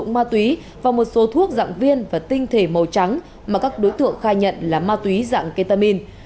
công an thu giữ nhiều bộ dụng ma túy và một số thuốc dạng viên và tinh thể màu trắng mà các đối tượng khai nhận là ma túy dạng ketamin